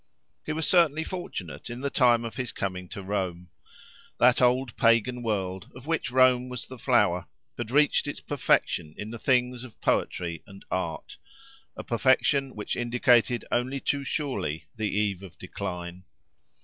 He was certainly fortunate in the time of his coming to Rome. That old pagan world, of which Rome was the flower, had reached its perfection in the things of poetry and art—a perfection which indicated only too surely the eve of decline.